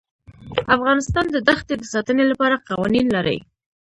افغانستان د دښتې د ساتنې لپاره قوانین لري.